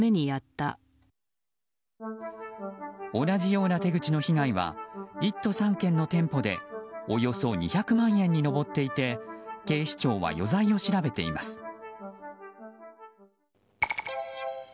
同じような手口の被害は１都３県の店舗でおよそ２００万円に上っていて警視庁は余罪を調べています。